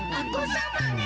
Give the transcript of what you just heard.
ijbal jadi atas belakang utara